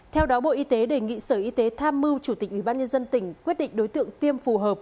theo đó bộ y tế đề nghị sở y tế tham mưu chủ tịch ubnd tỉnh quyết định đối tượng tiêm phù hợp